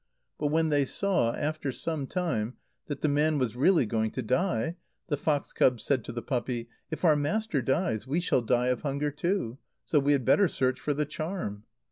But when they saw, after some time, that the man was really going to die, the fox cub said to the puppy: "If our master dies, we shall die of hunger too; so we had better search for the charm."